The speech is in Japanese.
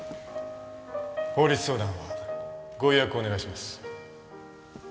法律相談はご予約をお願いします。